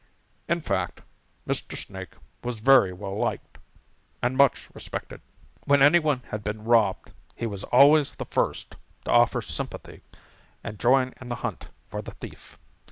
In fact, Mr. Snake was very well liked and much respected. When any one had been robbed, he was always the first to offer sympathy and join in the hunt for the thief.